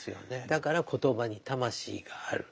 だから言葉に魂がある。